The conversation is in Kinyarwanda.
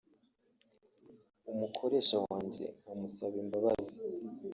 umukoresha wanjye nkamusaba imbabazi